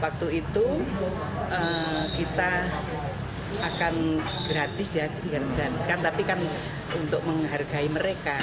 waktu itu kita akan gratis ya bukan gratiskan tapi kan untuk menghargai mereka